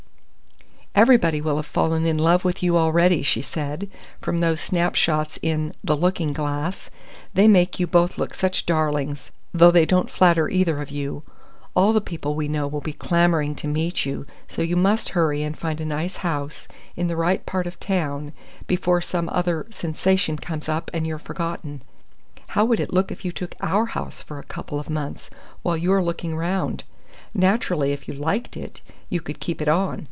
"Everybody will have fallen in love with you already," she said, "from those snapshots in the Looking Glass. They make you both look such darlings though they don't flatter either of you. All the people we know will be clamouring to meet you, so you must hurry and find a nice house, in the right part of town, before some other sensation comes up and you're forgotten. How would it be if you took our house for a couple of months, while you're looking round? Naturally, if you liked it, you could keep it on.